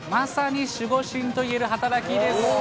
まさに守護神といえる働きです。